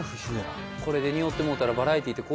これでにおってもうたら。